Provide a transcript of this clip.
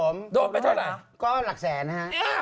ก็หลักแสนฮะ